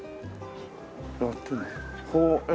やってる？